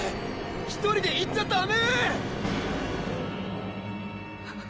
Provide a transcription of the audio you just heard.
１人で行っちゃダメ！